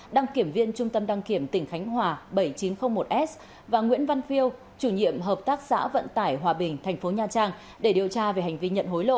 đăng kiểm viên trung tâm đăng kiểm tỉnh khánh hòa bảy nghìn chín trăm linh một s và nguyễn văn phiêu chủ nhiệm hợp tác xã vận tải hòa bình thành phố nha trang để điều tra về hành vi nhận hối lộ